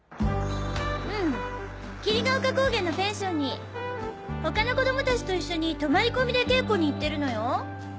うん霧ヶ丘高原のペンションに他の子供達と一緒に泊まり込みで稽古に行ってるのよ。